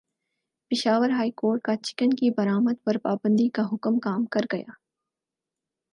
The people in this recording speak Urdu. پشاور ہائی کورٹ کا چکن کی برآمد پر پابندی کا حکم کام کر گیا